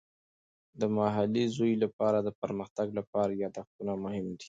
د محلي زوی لپاره د پرمختګ لپاره یادښتونه مهم دي.